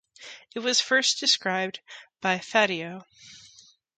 It was first described by Fatio.